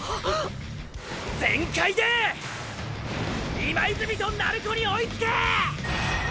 今泉と鳴子に追いつけ！！